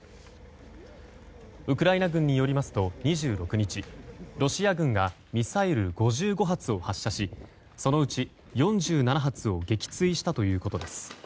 ウクライナ軍によりますと２６日、ロシア軍がミサイル５５発を発射しそのうち４７発を撃墜したということです。